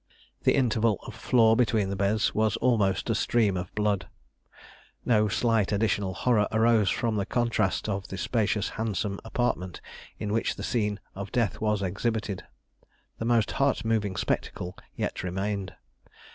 The interval of floor between the beds was almost a stream of blood. No slight additional horror arose from the contrast of the spacious handsome apartment in which this scene of death was exhibited. The most heart moving spectacle yet remained.